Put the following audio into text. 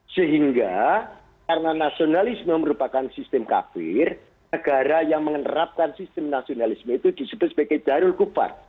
sehingga karena nasionalisme merupakan sistem kafir negara yang menerapkan sistem nasionalisme itu disebut sebagai darul kupar